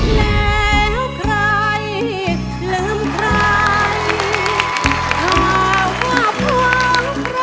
แล้วใครลืมใคร